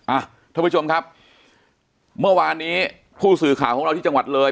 อ่ะท่านผู้ชมครับเมื่อวานนี้ผู้สื่อข่าวของเราที่จังหวัดเลย